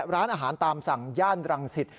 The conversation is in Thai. ร้านอาหารตามสั่งย่านรังสิต